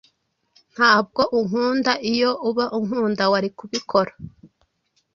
Ntabwo unkunda iyo uba unkunda wari kubikora